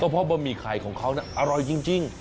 เพราะบะหมี่ไข่ของเขาอร่อยจริง